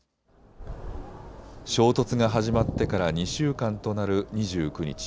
衝突が始まってから２週間となる２９日。